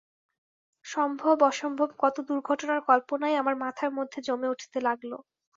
সম্ভব অসম্ভব কত দুর্ঘটনার কল্পনাই আমার মাথার মধ্যে জমে উঠতে লাগল।